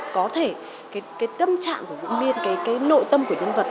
có thể cái tâm trạng của diễn viên cái nội tâm của nhân vật